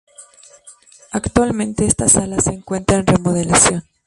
Actualmente esta sala se encuentra en remodelación.